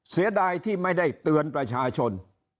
เสียดายที่ไม่ได้เตือนประชาชน